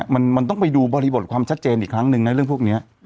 มันต้องไปดูบริบทความชัดเจนอีกครั้งนึงนะเรื่องพวกนี้